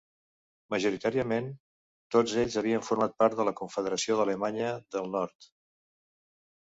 Majoritàriament, tots ells havien format part de la Confederació d'Alemanya del Nord.